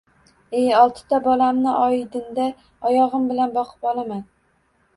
E, oltita bolamni oydinda oyog‘im bilan boqib olaman.